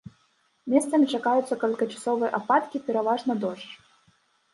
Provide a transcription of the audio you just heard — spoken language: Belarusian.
Месцамі чакаюцца кароткачасовыя ападкі, пераважна дождж.